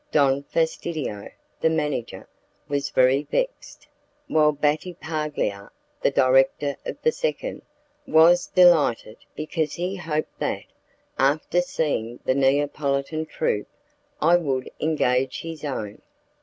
Don Fastidio, the manager, was very vexed, while Battipaglia, the director of the second, was delighted because he hoped that, after seeing the Neapolitan troupe, I would engage his own.